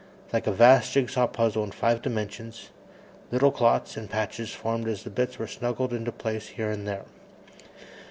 Like a vast jigsaw puzzle in five dimensions, little clots and patches formed as the bits were snuggled into place here and there.